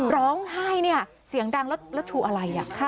ร้องไห้เนี่ยเสียงดังแล้วชูอะไร